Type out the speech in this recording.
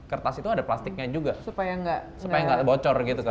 kertas itu ada plastiknya juga supaya nggak bocor gitu kan